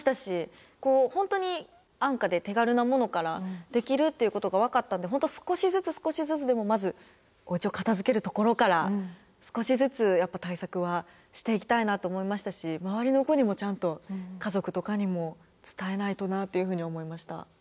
本当に安価で手軽なものからできるっていうことが分かったんで本当少しずつ少しずつでもまずおうちを片づけるところから少しずつやっぱ対策はしていきたいなと思いましたし周りの子にもちゃんと家族とかにも伝えないとなというふうに思いました。